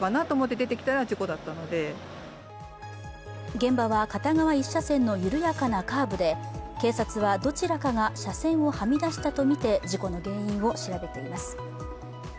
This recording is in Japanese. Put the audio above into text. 現場は片側１車線の緩やかなカーブで警察はどちらかが車線をはみ出したとみて事故の原因を調べています。